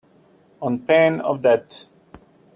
On pain of death.